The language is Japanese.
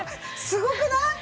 すごくない！？